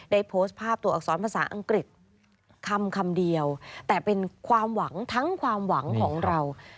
โพสต์ภาพตัวอักษรภาษาอังกฤษคำคำเดียวแต่เป็นความหวังทั้งความหวังของเรา